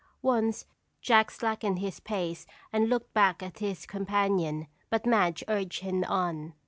Once Jack slackened his pace and looked back at his companion but Madge urged him on.